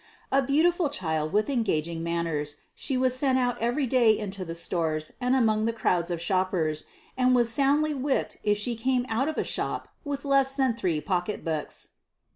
A beau tiful child with engaging manners, she was sent out every day into the stores and among the crowds of shoppers, and was soundly whipped if she came out of a shop with less than three pocketbooks.